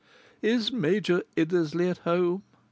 "Is Major Iddesleigh at home?"